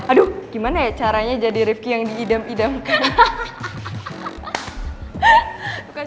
aduh gimana ya caranya jadi rifki yang diidam idamkan